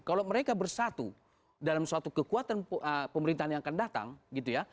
kalau mereka bersatu dalam suatu kekuatan pemerintahan yang akan datang gitu ya